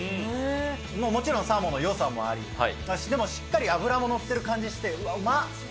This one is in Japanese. もちろんサーモンのよさもあり、でもしっかり脂も乗ってる感じして、うわ、うまっ。